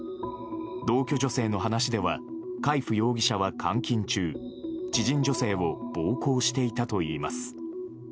同居女性の話では海部容疑者は監禁中知人女性を暴行していたといいます。